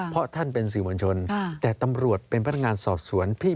เพราะท่านเป็นสื่อมวลชนแต่ตำรวจเป็นพนักงานสอบสวน